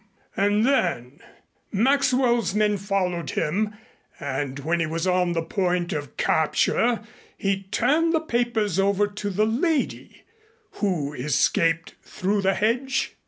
"H m. And then, Maxwell's men followed him, and when he was on the point of capture he turned the papers over to the lady, who escaped through the hedge?"